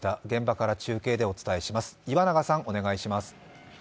現場から中継でお伝えします。